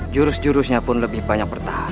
jurus jurusnya pun lebih banyak bertahan